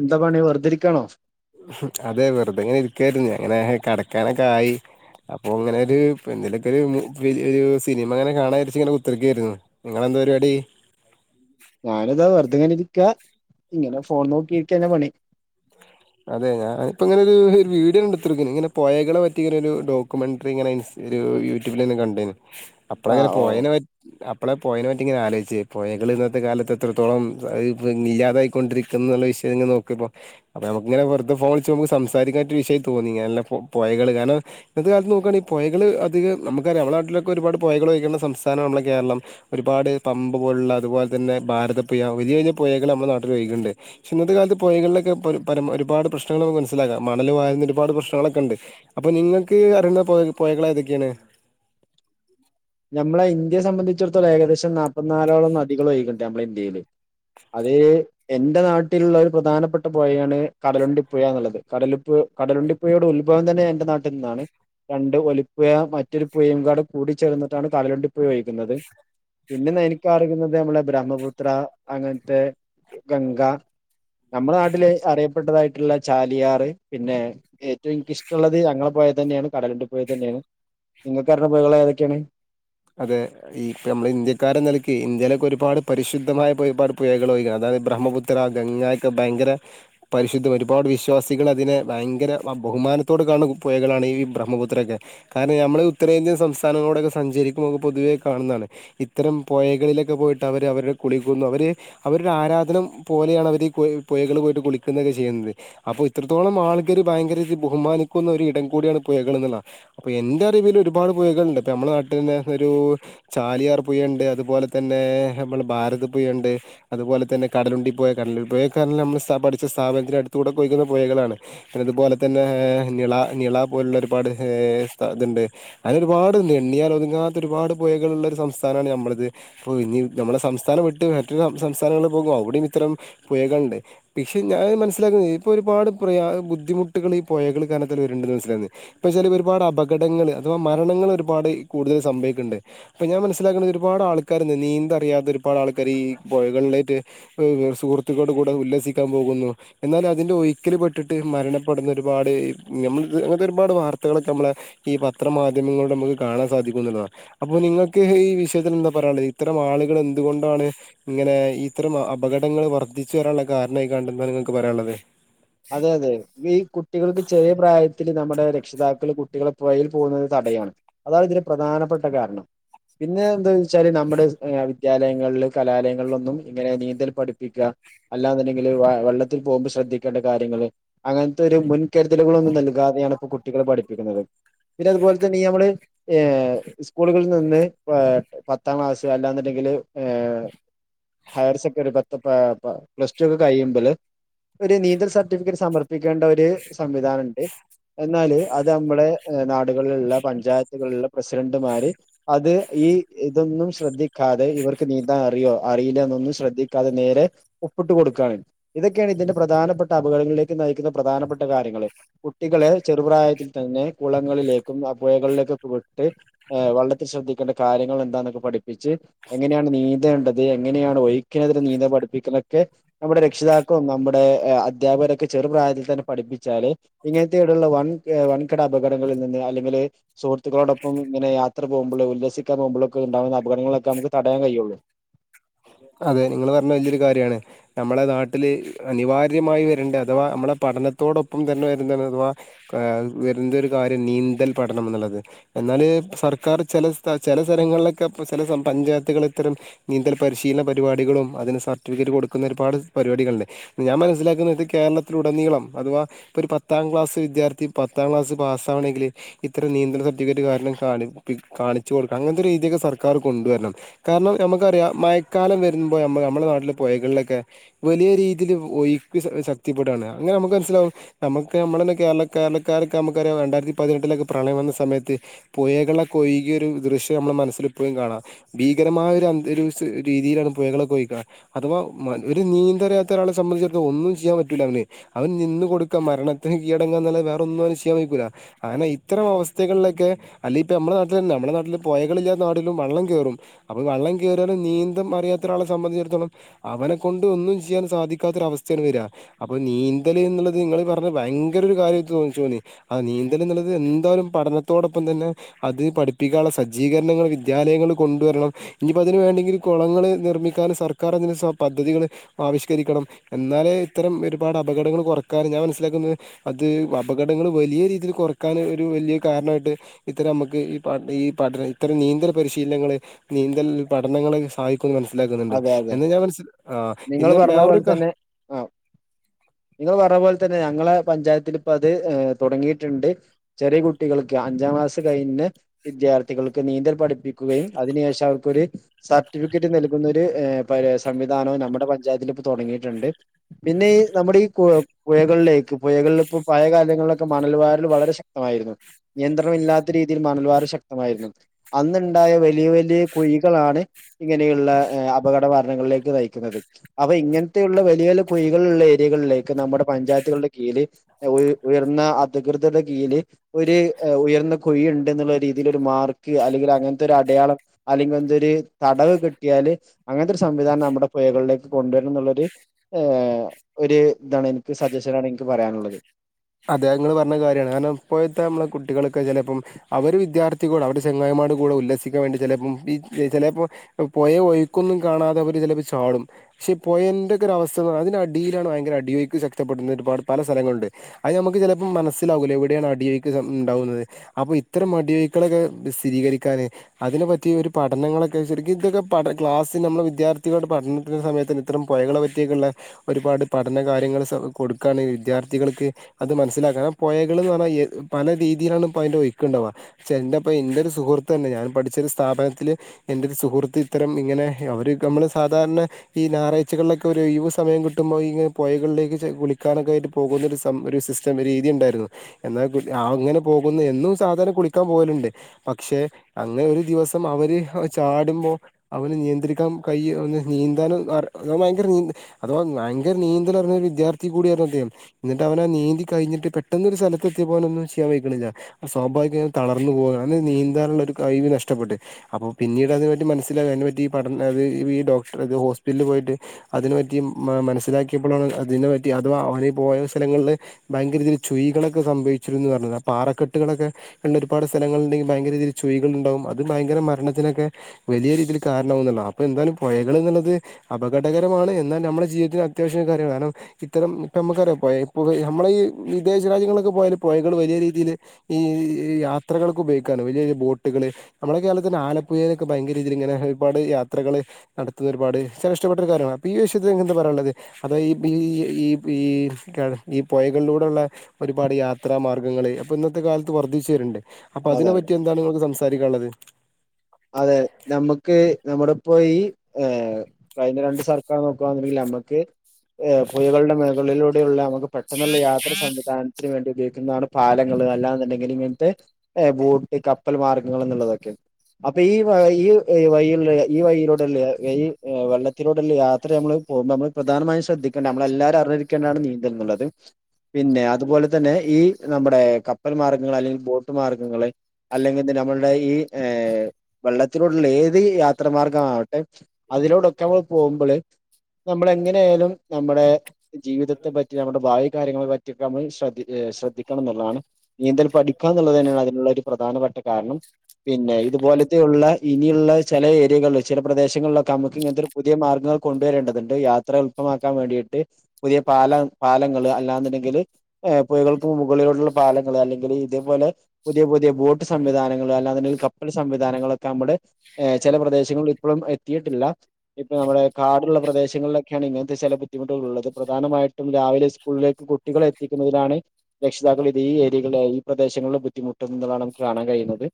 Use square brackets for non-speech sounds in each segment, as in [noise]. എന്താ പണി വെറുതെരിക്കാണോ അതെ വെറുതെ എങ്ങനെ ഇരിക്കായിരുന്നു ഞാൻ ഇങ്ങനെ കിടക്കാനൊക്കെ ആയി അപ്പൊ അങ്ങനെ ഒരു എന്തേലൊക്കെ ഒരു ഒരു സിനിമ അങ്ങനെ കാണാച്ച ഇങ്ങനെ കുത്തിക്കയായിരുന്നു നി എന്ത പരിപാടി അത്ങ്ങനെ ഇരിക്ക ഇങ്ങനെ ഫോൺ നോക്കിട്ട്ന്നെ പണി അതെ ഞാൻപ്പപ്പോ ഇങ്ങനെ ഒരു വീഡിയോ എടുത്തടുക്ക ഇങ്ങനെ പോയളെ പറ്റി ഇങ്ങനെ ഒരു ഡോക്യുമെന്ററിങ്ങന യൂട്യൂബിൽ നിന്ന് കണ്ടു അപ്പള അങ്ങനെ ആഹ് ഓഹ് പോയതിന ഇപ്പോളെ പോയനെ മറ്റി ഇങ്ങനെ ആലോചിച്ച് പോയകൾ ഇന്നത്തെ കാലത്ത് എത്രത്തോളം ഇല്ലാതായി കൊണ്ടിരിക്കുന്നുള്ള വിം ശരി നോക്ക ഇപ്പൊ അപ്പൊ നമുക്ക്ങ്ങനെറു ഫോളിച്ചച്ച് നമു സംസാൻ ഒരു വിയം തോന്നിങ്ങനല്ല പോയകള് കാരണം ഇത്തെ കാലത്ത് നോുയാണ പുയക അധികം നമുക്ക അറിയാം നമ്മുടെ നട്ടിലൊക്കെ ഒരുപാട് പോയകൾ വഴിക്കേണ്ട സംസ്ഥാനമാണ് നമ്മുടെ കേരളം ഒരുപാട് പമ്പ് പോലെ ഉള്ള അതുപോലെ തന്നെ ഭാരത പുുയ വലിയ വലിയ പുഴകൾ നമ്മുടെ നാട്ടിൽ വൈകുന്നുണ്ട് പക്ഷ ഇന്നത്തെ കാലത്ത് പുഴകളിലൊക്കെ ര ഒരുപാട് പ്രശ്നങ്ങൾ നമു മനസിലാം മണൽ വുന്ന ഒരുപാ പ്രശ്നങ്ങളൊക്കെണ്ട് അപ്പോൊ നിങ്ങൾക്ക് അറിയ ള ഏതൊക്കെയാണ് നമ്മളെ ഇന്ത്യ സംബന്ധിച്ചിടത്തോം ഏകദേശം നാപ്പത്തിനാലോളം നികളോയിക്കുന്നുണ്ട് നമ്മള ഇന്ത്യയില് അത് എന്റെ നാട്ടിലുള്ള ഒരു പ്രധാനപ്പെട്ട പുഴയാണ് കടലുണ്ടി പുുഴ എന്നുള്ളത് കടലിപ്പ കടലുണ്ടി പുുഴയുടെ ഉത്ഭവം തന്നെ എറെ നാട്ടിൽ നിന്നാണ് രണ്ട് ഒലിപ്പയ മറ്റൊരു പുഴയും കാാട് കൂടി ചേർന്നിട്ടാണ് കടിലുണ്ടി പോയി ഒഴിക്കുന്നത് പിന്നെ എനക്ക് അറിയുന്നത് നമ്മളെ ബ്രഹ്മപുത്ര അങ്ങനത്തെ ഗംഗ നമ്മുടെ നാട്ടില് അറിയപ്പെട്ടതായിട്ടുള്ള ചാലിയാറ് പിന്നെ ഏറ്റവും എനി ഇഷ്ടമുള്ളത് ഞങ്ങളെ പൊയതെന്ന്യാണ് കടലുണ്ടി പൊയ തെന്ന്യാണ് നിങ്ങക്കറീണ പൊയകളേതൊക്ക്യാണ് അതെ ഈ നമ്മള് ഇന്ത്യക്കാരെന്ന നെലക്ക് ഇന്ത്യേലൊക്കൊരുപാട് പരിശുദ്ധമായ പൊ ഒരുപാട് പുയകളൊയികാ അതാ ബ്രഹ്മപുത്ര ഗംഗാ ക്കെ ഭയ്ങ്ക്ര പരിശുദ്ധ ഒരുപാട് വിശ്വാസികൾ അതിനെ ഭയ്ങ്ക്ര ബഹുമാനത്തോട് കാണ പൊയകളാണ് ഈ ബ്രഹ്മപുത്രെക്കെ കാരണം നമ്മള് ഉത്തരേന്ത്യൻ സംസ്ഥാനങ്ങളോടൊക്കെ സഞ്ചരി [unintelligible] പൊതുവേ കാണുന്നാണ് ഇത്തരം പൊയകളിലേക്കെ പോയിട്ട് അവര് അവരുടെ കുളിക്കുന്നു അവര് അവരുടെ ആരാ നം പോലെയാണ് അവര് ഈ പുയ പുയകള് പോയിട്ട് കുളിക്കുന്നേക്കെ ചെയ്യുന്നത് അപ്പോത്രത്തോളം ആൾക്കാര് ഭയ്ങ്ക്ര ബഹുമാനിക്കുന്ന ഒരു ഇടം കൂട്യാണ് പുയകളിന്നിള്ളാ അപ്പൊ എന്റെ അറിവിലൊരുപാട് പുയകൾണ്ട് പ്പ മ്മളെ നാട്ടിൽ ന്നെ ഒരു ചാലിയാർ പുയണ്ട് അതുപോലെ തന്നെ നമ്മൾൺളെ ഭാരതപ്പുയണ്ട് അതുപോലെ തന്നെ കടലുണ്ടി പൊയ കടലുൺ പൊയക്കർഞാല് നമ്മൾ സ പഠിച്ച സ്ഥാപനത്തിന അടുത്തൂടെക്കെ ഒയ്കുന്ന പുയകളാണ് പിന്നെ അതുപോലെ തന്നെ ഹ് നിള നിള പോലുള്ള ഒരുപാട് ഏ ത ഇത്ണ്ട് അന ഒരുപാട്ണ്ട് എണ്ണിയാൽ ഒതുങ്ങാ ഒരുപാട് പൊയകളിള്ള ഒരു സംസ്ഥാനാണ് ഞമ്മളത് ഇപ്പോ ഇനി നമ്മളുടെ സംസ്ഥാനം വിട്ട് മറ്റൊരു സംസ്ഥാനങ്ങളിൽ പോകും അവിടെം ഇത്രം പൊയകൾണ്ട് പിഷി ഞാൻ മനസ്സിലാക്കുന്നത് ഇപ്പൊ ഒരുപാട് പ്രയാ ബുദ്ധിമുട്ടുകളീ ഴകൾ കാര്ണതില് വെര്ണ്ട് ന്ന് മനസ്സിലായത് പ്പെ ച്ചാൽ ഒരുപാട് അപകടങ്ങൾ അഥവാ മരണങ്ങൾ ഒരുപാട് കൂടുതൽ സ് ഭവിക്കുണ്ട് അപ്പൊ ഞാൻ മനസ്സിലാക്കിണെ ഒരുപാട് ആൾക്കാര് നീന്തറ്യാതെ ഒരുപാട് ആൾക്കാര് ഈ പൊഴകളിലേക്ക് ഊ സുഹൃത്തിക്കൾടെ കൂടെ ഉല്ലസിക്കാൻ പോകുന്നു എന്നാലൽ അതിന്റെ ഒയിക്കല് പെട്ടിട്ട് മരണപ്പെടുന്ന ഒരു ഒരുപാട് നമ്മൾ അങ്ങനത്തെ ഒരുപാട് വാർത്തകളൊക്കെ നമ്മളെ ഈ പത്രമാധ്യമങ്ങളോട് നമുക്ക് കാണാൻ സാധിക്കും അപ്പൊ നിങ്ങൾക്ക് ഈ വിഷയത്തിൽ എന്താ പറയാനുള്ളത് ഇത്തരം ആളുകൾ എന്തുകൊണ്ടാണ് ഇങ്ങനെ ഈ ഇത്തരം അപകടങ്ങൾ വർദ്ധിച്ചു വരാനുള്ള കാരണായി കണ്ട് എന്താ നിങ്ങൾക്ക് പറയാനുള്ളത് അതെ അതെ ഈ കുട്ടികൾക്ക് ചെറിയ പ്രായത്തില് നമ്മുടെ രക്ഷിതാക്കള് കുട്ടികള് പൊയേൽ പോകുന്നത് തടയാണ് അതാണ് ഇതിന്റെ പ്രധാനപ്പെട്ട കാരണം പിന്നെ എന്താ വെച്ചാല് നമ്മുടെ വിദ്യാലയങ്ങളില് കലാലയങ്ങളിലൊന്നും ഇങ്ങനെ നീന്തൽ പഠിപ്പിക്കുക അല്ലാെന്നുണ്ടെങ്കില് വെള്ളത്തിൽ പോകുമ്പോ ശ്രദ്ധിക്കേണ്ട കാര്യങ്ങങ്ങള് അങ്ങനത്തെ ഒരു മുൻകരുതലുകളൊന്നും നൽകാതെയാണ് ഇപ്പോ കുട്ടികളെ പഠിപ്പിക്കുന്നത് പിന്നെ അതുപോലെ തന്നെ ഈ ഞമ്മള് ഏഹ് സ്കൂളുകളിൽ നിന്ന് പത്താം ക്ലാസ് അല്ലാന്ന്ണ്ടെങ്കി ല് ഏഹ് ഹയർ സെക്കഡറി ഏഹ് പത്ത് പ്ല ടു ഒക്കെ കഴിയുമ്പല് ഒരു നീന്തൽ സർട്ടിഫിക്കറ്റ് സമർപ്പിക്കേണ്ട ഒരു സംവിധാനണ്ട് എന്നാല് അത് നമ്മുടെ നാടുകളിലുള്ള പഞ്ചായത്തുകളിലുള്ള പ്രസിഡന്റുമാര് അത് ഈ ഇതൊന്നും ശ്രദ്ധിക്കാതെ ഇവർക്ക് നീന്താൻ അറിയോ അറിയില്ല എന്നൊന്നും ശ്രദ്ധിക്കാതെ നേരെ ഒപ്പി ട്ട് കൊടുക്കാണ് ഇതൊക്കെയാണ് ഇതിന്റെ പ്രധാനപ്പെട്ട അപകടങ്ങളിലേക്ക് നയിക്കുന്ന പ്രധാനപ്പെട്ട കാര്യങ്ങള് കുട്ടികളെ ചെറുപ്രായത്തിൽ തന്നെ കുളങ്ങ ളി ലേക്കും ആ പുഴകളിലേക്കൊക്കെ വിട്ട് ഏഹ് വെള്ളത്തിൽ ശ്രദ്ധിക്കേണ്ട കാര്യങ്ങൾ എന്താന്നൊക്കെ പഠിപ്പിച്ച് എങ്ങനെയാണ് നീന്തേണ്ടത് എങ്ങനെയാണ് ഒഴിക്കിനെതിരെ നീന്ത പഠിപ്പിക്കുന്നൊക്കെ നമ്മുടെ രക്ഷിതാക്കളും നമ്മ ളുടെ അധ്യപകരൊക്കെ ചെറു പ്രായത്തിൽ തന്നെ പഠപ്പിച്ചാല് ഇങ്ങനത്തെയുള്ള വൻ വൻകിട അപകടങ്ങ ളിൽ നിന്ന് അല്ലെങ്കിൽ സുഹത്തുളോടൊപ്പം ഇങ്ങനെ യാത്ര പോകുമ്പോൾ ഉല്ലസിക്കാൻ പോകുമ്പോഴൊക്കെ ഉണ്ടാവുന്ന അപകടങ്ങളൊക്കെ നമുക്ക് തടയാൻ കഴിയുള്ളു [inaudible] അതെ നിങ്ങൾ പറഞ്ഞ വലിയൊരു കാര്യമാണ് നമ്മളെ നാട്ടില് അനിവാര്യമായി വരേണ്ട അഥവാ നമ്മളെ പ പഠനത്തോടൊപ്പം തന്നെ വരുന്ന അഥവാ ഏഹ് വരേണ്ട ഒരു കാര്യം നീന്തൽ പഠനം എന്നുള്ളത് എന്നാല് സർക്കാർ ചെല ചില സ്ഥലങ്ങളിലൊക്കെ ചെല പഞ്ചായത്തുകൾ ഇത്തരം നീന്തൽ പരിശീല ന പരിപാടികളും അതിന് സർട്ടിഫിക്കറ്റ് കൊടുക്കുന്ന ഒരുപാട് പരിപാടികളുണ്ട് ഞാൻ മനസ്സിലാക്കുന്നത് കേരളത്തില് ഉടനീ ളം അഥവാ ഇപ്പൊ ഒരു പത്താം ക്ലാസ് വിദ്യാർത്ഥി പത്താം ക്ലാസ് പാസ്സാവണങ്കിൽ ഇത്തരം നീന്തൽ സർട്ടിഫിക്കറ്റ് കാരണം കാണിപ്പി കാണിച്ചു കൊടുക്കണം അങ്ങനത്തെ രീതിഒക്കെ സർക്കാർ കൊണ്ടുവരണം കാരണം നമുക്കറിയാം മയ ക്കാലം വരുമ്പോ നമ്മ നമ്മളുടെ നാട്ടില പോയകളിലൊക്കെ വലിയ രീതിയില് ഒഴുക്ക് ശക്തിപ്പെടാണ് അങ്ങന നമുക്ക് മനസ്സിലാവും നമുക്ക് നമ്മുടെന്ന കേരള കേരളക്കാരൊക്കെ നമുക്കറിയാ രണ്ടായിരത്തി പതിനെട്ടിലൊക്കെ പ്രളയം വന്ന സമയത്ത് പുയകളൊക്കൊഴുകിയൊരു ദൃശ്യം നമ്മുടെ മനസ്സിൽ ഇപ്പഴും കാണാം ഭീകരമായ ഒരു അന്തരീ ഒരൂസ് രീതിയിലാണ് പുയകളൊക്കെ ഒയിക അഥവാ മ ഒരു നീന്തലറിയാത്ത ഒരാളെ സംബന്ധിച്ചിടത്തം ഒന്നും ചെയ്യാൻ പറ്റൂല്ല അവന് അവൻ നിന്ന് കൊടുക്കാം മരണത്തിന് കീഴടങ്ങാന്നല്ലാതെ വേറൊന്നും അവന് ചെയ്യാൻ വെയ്ക്കൂല ആനാ ഇത്തരം അവസ്ഥകളിലൊക്കെ ക്കെ അല്ല ഇപ്പ നമ്മുടെ നാട്ടിലെന്നെ നമ്മുടെ നാട്ടില് പൊയകളില്ല നാടിലും വള്ളം കേറും അപ്പൊ വെള്ളം കേറിയാലും നീ ന്തും അറിയത്തൊരാളെ സംബന്ധിച്ചിടത്തോളം അവനെ കൊണ്ട് ഒന്നും ചെയ്യാൻ സാധിക്കാത്തൊരവസ്ഥയാണ് വര്വാ അപ്പൊ നീ ന്തല് എന്നുള്ളത് നിങ്ങള് പറഞ്ഞ ഭയങ്കര ഒരു കാര്യം തോന്നിച്ചുന്നേ ആ നീന്തല്ന്നുള്ളത് എന്തായാലും പഠനത്തോടൊ പ്പം തന്നെ അതിന് പഠിപ്പിക്കാനുള്ള സജ്ജീകരണങ്ങള് വിദ്യാലയങ്ങള് കൊണ്ടുവരണം ഇനിപ്പോ അതിന് വേണ്ടെങ്കില് കൊളങ്ങള് നിർമ്മിക്കാന് സർക്കാറതിന് സ പദ്ധതികള് ആവിഷ്കരിക്കണം എന്നാലേ ഇത്തരം ഒരുപാട പകടങ്ങള് കുറക്കാന് ഞാൻ മനസ്സിലാക്കുന്നത് അത് അപകടങ്ങള് വലിയ രീതിയില് കൊറക്കാന് ഒരു വല്ല്യ കാരണായി ട്ട് ഇത്തരം അമ്മക്ക് ഈ പാ ഈ പഠന ഇത്തരം നീന്തല് പരിശീലനങ്ങള് നീന്തൽ പഠനങ്ങള് ക്ക് മനസ്സിലാക്കുന്നുണ്ട് എന്ന് ഞാൻ മൻസില് ആഹ് നിങ്ങള് പറഞ്ഞ പോലെ തന്നെ ആഹ് നിങ്ങള് പറഞ്ഞ പോലെ തന്നെ ഞങ്ങളെ പഞ്ചായത്തിലിപ്പ അത് ഏഹ് തൊടങ്ങിയിട്ടുണ്ട് ചെറിയ കുട്ടികൾക്ക് അഞ്ചാം ക്ലാസ് കഴിഞ്ഞ വിദ്യാ ർത്ഥികൾക്ക് നീന്തൽ പഠിപ്പിക്കുകയും അതിനു ശേഷം അവർക്കൊരു സർട്ടിഫിക്കറ്റ് നൽകുന്നൊരു ഏഹ് [unintelligible] സംവിധാനോ ന മ്മുടെ പഞ്ചായത്തിപ്പ തൊടങ്ങിയിട്ടുണ്ട് പിന്നെ ഈ നമ്മുടെ ഈ കോ പൊയളിലേക്ക് പൊയകളിലിപ്പോ പാ കല് കാലങ്ങളിലൊക്കെ മണല് വാരല് വളരെ ശക്തമായിരുന്നു നിയന്ത്രണംമില്ലാത്ത രീതിയിൽ മണൽവാരൽ ശക്തമായിരുന്നു അന്നുണ്ടായ വലിയ വലിയ കുയികളാണ് ഇങ്ങനെയുള്ള ഏഹ് അപകട മരണങ്ങളിലേക്ക് നയിക്കുന്നത് അപ്പ ഇങ്ങനത്തെയുള്ള വലിയ വല്ല്യ കുയികളുള്ള ഏരിയകളിലേക്ക് നമ്മുടെ പഞ്ചായത്തുകളുടെ കീയില് ഏഹ് ഓ ഉയർന്ന അധികൃതരുടെ കീയില് ഒര് ഏഹ് ഉയർന്ന കുയിണ്ട് എന്നുള്ള രീതിയില് ഒരു മാർക്ക് അല്ലെങ്കിൽ അങ്ങനത്തൊരു അടയാളം അല്ലെങ്കി എന്തോ ഒര് തടവ് കിട്ടിയാല് അങ്ങനത്തൊരു സംവിധാനം നമ്മുടെ പുയകളിലേ ക്ക് കൊണ്ടുവരണംന്നുള്ളൊരു ഏഹ് ഒരു ഇതാണ് എനിക്ക് സജഷനാണ് എനിക്ക് പറയാനുള്ളത് അതെ നിങ്ങള് പറഞ്ഞ കാര്യാണ് കാരണം ഇപ്പോയത്തെ നമ്മളെ കുട്ടികൾക്ക് ചെലപ്പം അവര് വിദ്യാർത്ഥി കൂടെ അവര് ചെങ്ങായ് മാരുടെ കൂടെ ഉല്ലസിക്കാൻ വേണ്ടി ചെലപ്പം ബീ ചെലപ്പോ പൊയ ഒയിക്കൊന്നും കാണാതെവരിതിലെ പോയ്‌ ചാടും പക്ഷെ പോയന്റെക്ക ഒരു അവസ്ഥ അതിന് അടിയിലാണ് ഭയങ്കര അടിയോഴുക്ക് ശക്തപ്പെടുന്നത് ഒരുപാട് പല സ്ഥലങ്ങളുണ്ട് അത് നമുക്ക് ചിലപ്പോം മനസ്സിലാവല്ലോ എവിടെയാണ് അടിയൊഴുക്ക് ണ്ടാവകുന്നത് അപ്പൊ ഇത്തരം അടി ഴുക്കളൊക്കെ സ്ഥിരീകരിക്കാനാന് അതിനെ പറ്റി ഒരു പഠനങ്ങളൊക്കെ ശരിക്കും ഇതൊക്കെ ക്ലാസ്ൽ നമ്മുടെ വിദ്യാർത്ഥികളട് പഠന സമയ ഇത്രം പുഴകളെ പറ്റിയക്കുള്ള ഒരുപാട് പഠന കാര്ങ്ങൾ കൊടുക്കാണങ്കി വിദ്യാർത്ഥ കൾക്ക് അത് മനസ്സിലാക്കാ പുഴകൾ എന്ന് പറഞ്ഞ പല രീതിയിലാണ് ഇ അതി ഒഴുക്കണ്ടാവുകെ എന്റെ ഒരു സുഹൃത്ത് തന്നെ ഞാൻ പഠിച്ച ഒരു സ്ഥാപനത്തില് എന്റെ ഒരു സുഹൃത്ത് ഇത്തരം ഇങ്ങനെ അവര് നമ്മള് സ സാധാരണ ഈഞായറാഴ്കളിലൊക്കെഒഴിവ് സമയം കിട്ടുമ്പോ ഇങ്ങനെ പുഴകളിലേക്ക് കുളിക്കാനൊക്കെ ആയിട്ട് പോകുന്ന ഒരു സിസ്റ്റം രീതി ഉണ്ടായിരുന്നു എന്നാൽ അങ്ങനെ പോകുന്ന എന്നും സാധാരണ കുളിക്കാൻ പോലു ണ്ട് പക്ഷെ അങ്ങനെ ഒരു ദിവസം അവര് ചാടുമ്പോ അവന് നിയന്ത്രിക്കാൻ കഴ നീന്താനും ഭയങ്കര അധവാ ഭയങ്കര നീന്തലറിഞ്ഞരു വിദ്യാർത്ഥി കൂടിയായിരുന്നു അദ്ദേഹം എന്നിട്ട് അവനാ നീന്തി കഴിഞ്ഞട്ട് പെട്ടൊന്നൊരു സ്ഥലത്തെത്തിയപ്പോ അവന് ഒന്നും ചെയാൻഴിക്കുന്നില്ല ആ സ്വാഭാവിക തളർന്ന പോക നീന്താനുള്ള ഒരു കഴിവ് നഷ്ടപ്പെട്ട് അപ്പൊ പിന്നീട് അത് പറ്റി മനസ്സിലാന അതിനെ പറ്റി പഠനഈ ക് ഹോസ്പിറ്റലിൽ പോയിട്ട് അതിനെ പറ്റി മനസിലാക്കിയപ്പോഴാണ് അതിനെ പറ്റി അത് അവ പോ സ്ഥലങ്ങളിൽ ഭയങ്കരീതിയിൽ ചുഴകളൊക്കെ സംഭവിച്ചിരുന്നുന്ന് പറഞ്ഞത് ആ പാറക്കെട്ടുകളൊക്കെ ഉള്ള ഒരുപാട് സ്ഥലങ്ങളിൽ ഭയരീതിയിൽ ചുഴികൾ ഉണ്ടാവും അത് ഭയങ്കര മരണത്തിനൊക്കെ വലിയ രീതിൽ കാരണമാവും അത് എന്തയാലും ുള്ളത് അപകടകരമാണ് എന്നാൽ നമ്മുടെ ജീവിതത്തിന് അത്യാവശ്യം കാര്യമാണ് കാരണം ഇത്തരം ഇപ്പ നമുക്കറിയാം പോ നമ്മള ഈ വിദേശ രാജ്യങ്ങളൊക്കെ പോയല് പോഴകൾ വലിയ രീതിയിൽ ഈ യാത്രകൾകൊക്കെഉപയോഗിക്കാ വ ബോട്ടുകൾ നമ്മുടെ കേരളത്തി ആലപ്പുഴൊക്കെ ഭയങ്കരരീതിനെ ഇങ്ങനെ ഒരുപാട് യാത്രകൾ നടത്തുന്ന ഒരുപാട് ചില ഇഷ്ടപ്പെട്ട ഒരു കാര്യമാണ് അപ്പോൾ ഈ വിശയത്തിൽങ്ങ എന്താ പറയാനുള്ളത് അതായ ഈ ഈ ഈ ഈ പുയകളിലൂടെള്ള ഒരുപാട് യാത്രാ മാർഗ്ഗങ്ങള്ൾ ഇപ്പൊ ഇന്നത്തെ കാലത്ത് വർദ്ധിച്ചു വരുണ്ട് അപ്പൊ അതിനെ അതെ പറ്റി എന്താണ് നിങ്ങക്ക് സംസാരിക്കാനുള്ളത് അതെ നമ്മുക്ക് നമ്മുടെപ്പോ ഈ ഏഹ് കഴിഞ്ഞ രണ്ട് സർക്കാർ നോക്കുകുണ്ടെങ്കിൽ നമ്മുക്ക് പൂഴകളുടെ മേഖലയിലിലൂടെയുള്ള പെട്ടെന്നുള്ള യാത്ര സംവിധാനത്തിന് വേണ്ടി ഉപയോഗിക്കുന്നതാണ് പാലങ്ങള് അല്ലാെന്നുണ്ടെങ്കിൽ ഇങ്ങനത്തെ ബോട്ട് കപ്പൽ മാർഗ്ഗങ്ങൾ എന്നുള്ളതൊക്കെ ഉണ്ട് അപ്പൊ ഈ ഈ വഴയില ഈ വഴയിലൂടെല്ലേ വെള്ളത്തിലൂടെല്ലേ യാത്ര നമ്മള് പോകുമ്പോൾ നമ്മൾ പ്രധാനമായും ശ്രദ്ധിക്കേണ്ട നമ്മളെല്ലാരും അറിഞ്ഞിരിക്കേണ്ടാണ് നീന്തലുന്നുുള്ളത് പിന്നെ അതുപോലെ തന്നെ ഈ നമ്മുടെ കപ്പൽ മാർഗ്ഗങ്ങൾ അല്ലെങ്കിൽ ബോട്ട് മാർഗ്ഗങ്ങൾ അല്ലെങ്കിൽെ നമ്മളുടെ ഈ വെള്ളത്തിലനോടുള്ള ഏത് യാത്ര മാർഗംമാവട്ടെ അതിനോടൊക്കെ നമ്മള് പോകുമ്പോള് നമ്മള എങ്ങനെ ആായാലും നമ്മുടെ ജീവിതത്തെ പറ്റി നമ്മുടെ ഭവി കാര്യങ്ങളെ പറ്റിഒക്കെ നമ്മൾ ശ്രദ്ധി ശ്രദ്ധിക്കണം എന്നുള്ളതാണ് നീന്തൽ പഠിക്കുക എന്നുള്ളത് തന്നെയാണ് അതിനുള്ള ഒരു പ്രധാനപെട്ട- കാരണം പിന്നെ ഇത് ഇതുപോലത്തെയുള്ള ഇനിയുള്ള ചില ഏരിയകളിൽ ചില പ്രദേശങ്ങളിലൊക്കെ നമുക്ക് ഇങ്ങനത്തെ ഒരു പുതിയ മാർഗങ്ങൾ കൊണ്ടുവരേണ്ടത് യാത്രഎളുപ്പമാക്കാൻ വേണ്ടിയിട്ട് പുതിയ പാല പാലങ്ങൾ അല്ലാ എന്നുണ്ടെങ്കിൽ പുഴകൾക്ക് മുകളിലോടുള്ള പാലങ്ങൾ അല്ലെങ്കിൽ ഇതേപോലെ പുതിയ പുതിയ ബോട്ട് സംവിധാനങ്ങൾ അല്ലാ എന്നുണ്ടെങ്കിൽ കപ്പൽ സംവിധാനങ്ങളൊക്കെ നമ്മുടെ ചില പ്രദേശങ്ങളിൽ ഇപ്പോഴും എത്തിയിട്ടില്ല ഇപ്പ നമ്മുടെ കാടു ള്ള പ്രദേശങ്ങളിലൊക്കെയാണ് ഇങ്ങനത്തെ ചില ബുദ്ധിമുട്ടുകളുള്ളത് പ്രധാനമായിട്ടും രാവിലെ സ്കൂളിലേക്ക് കുട്ടികളെ എത്തിക്കുന്നതിനാണ് രക്ഷിതാക്കൾ ഇത് ഈ ഏരിയകളിൽ ഈ പ്രദേശങ്ങളിലിൽ ബുദ്ധിമുട്ടുന്നത് നമുക്ക് കാണാൻ കഴിയുന്നത്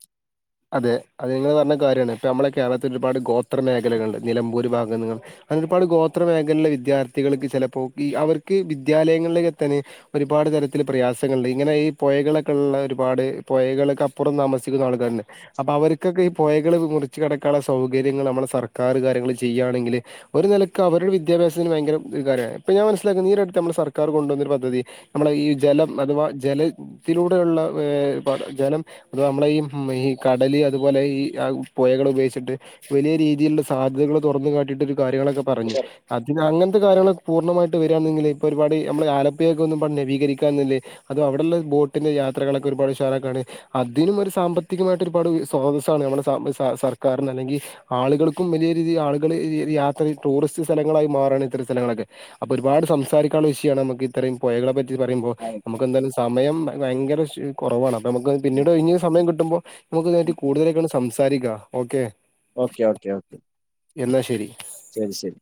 അതെ അത് നിങ്ങൾ പറഞ്ഞ കാര്യമാണ് ഇപ്പ നമ്മളെ കേരളത്തിൽ ഒരുപാട് ഗോത്രമേഖലകൾ, നിലമ്പൂർ ഭാഗം അങ്ങനെ ഒരുപാട് ഗോത്രമേഖലകളിലെ വിദ്യാർത്ഥികൾക്ക് ചിലപ്പോൾ ഈ അവർക്ക് വിദ്യാലയങ്ങളിലേക്ക് എത്താൻ ഒരുപാട് തരത്തിൽ പ്രയാസങ്ങള്ണ്ട് ഇങ്ങനെ ഈ പുഴകളൊക്കെ ഉള്ള ഒരുപാട് പൊഴകൾക്കപ്പുറം താമസിക്കുന്ന ആൾക്കാർ അപ്പൊ അവർക്കൊക്കെ ഈ പൊഴകൾ മുറിച്ച് കിടക്കാനുള്ള സൗകര്യങ്ങൾ നമ്മള് സർക്കാർ കാര്യങ്ങൾ ചെയ്യുകയാണെങ്കിൽ ഒരു നിലക്ക് അവരുടെ വിദ്യാഭാസത്തിന് ഭയങ്കര ഒരു കാര്യമാണ്. ഇപ്പ ഞൻ മനസ്സിലാക്കുന്നു ഈയൊരു ഇടക് നമ്മുടെ സർക്കാർ കൊണ്ടുവന്ന ഒരു പദ്ധതി നമ്മളെ ഈ ജലം അഥവാ ജലത്തിലൂടെയുള്ള ജലം അഥവാ നമ്മളെ ഈ കടല് അതുപോലെ ഈ ആ പുഴകൾ ഉപയോഗിച്ചിട്ട് വലിയ രീതിയിലുള്ള സാധ്യതകള് തുറന്നു കാട്ടിയിട്ട് കാര്യങ്ങളൊക്കെ പറഞ്ഞു അതിന് അങ്ങന- ത്തെ കാര്യങ്ങൾ പൂർണമായിട്ട് വരയാണങ്കി ഇപ്പൊ ഒരുപാട് നമ്മളെ ആലപ്പുഴ ഒക്കെ ഒന്നുപാടെ നവീകരിക്കാണെങ്കി അതും അവിടെ ഉള്ള ബോ ബോട്ടിന്റെ യാത്രകളൊക്കെ ഒരുപാട് ഉഷാറാക്കാണെങ്കി അതിനും ഒരു സാമ്പത്തികമായിട്ട് ഒരുപാട് സ്രോതസ്സാണ് നമ്മുടെ സർക്കാരിന് അല്ലെങ്കിൽ ആളുകൾക്കും വലിയ രീതിൽ ആളുകൾ ഈ യാ ഈ ടൂറിസ്റ്റ് സ്ഥലങ്ങളായി മാറാണ് ഇത്രയും സ്ഥലങ്ങളൊക്കെ അപ്പൊ ഒരുപാട് സംസാരിക്കാനുള്ള വിഷയമാണ് നമുക്ക് ഇത്രയും പുഴകളെ പറ്റി പറയുമ്പോ നമുക്ക് എന്തായാലും സമയം ഭയങ്കര കുറവാണ് നമുക്ക് പിന്നീട് ഒഴിഞ്ഞ് സമയം കിട്ടുമ്പോ നമുക്കായിട്ട് കൂടുതലായിക്കാണ് സംസാരിക്കാം ഓക്കെ ഓക്കെ ഓക്കേ ഓക്കേ എന്നാ ശരി ശരി ശരി